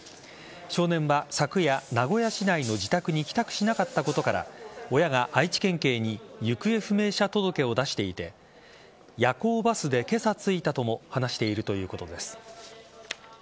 少年は昨夜、名古屋市内の自宅に帰宅しなかったことから親が愛知県警に行方不明者届を出していて夜行バスで今朝着いたとも話しているということです。